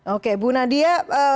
oke bu nadia